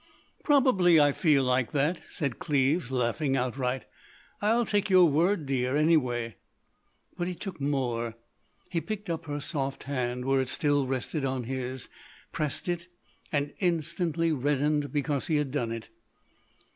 "Probably I feel like that," said Cleves, laughing outright. "I take your word, dear, anyway." But he took more; he picked up her soft hand where it still rested on his, pressed it, and instantly reddened because he had done it.